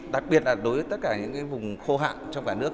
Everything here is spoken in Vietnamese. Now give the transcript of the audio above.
đặc biệt là đối với tất cả những vùng khô hạn trong cả nước